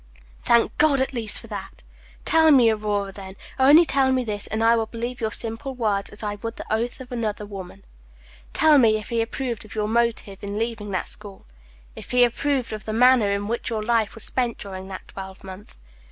"Thank God, at least, for that! Tell me, Aurora, then, only tell me this, and I will believe your simple word as I would the oath of another woman tell me if he approved of your motive in leaving that school if he approved of the manner in which your life was spent during that twelvemonth.